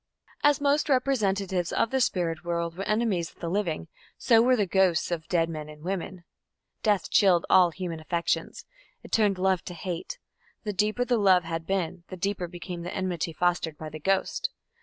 As most representatives of the spirit world were enemies of the living, so were the ghosts of dead men and women. Death chilled all human affections; it turned love to hate; the deeper the love had been, the deeper became the enmity fostered by the ghost.